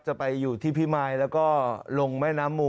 จะไปอยู่ที่พิมายแล้วก็ลงแม่น้ำมู